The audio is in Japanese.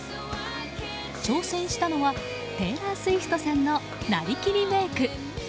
挑戦したのはテイラー・スウィフトさんのなりきりメイク。